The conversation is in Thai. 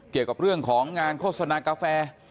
เกี่ยวกับเรื่องของงานโฆษณากาแฟ